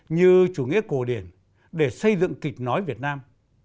như chủ nghĩa cổ điển để xây dựng kịch nói việt nam